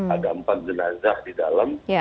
ada empat jenazah di dalam